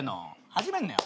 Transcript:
始めんなよ。